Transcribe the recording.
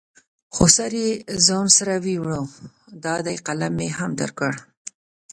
خو سر یې ځان سره یوړ، دا دی قلم مې هم درکړ.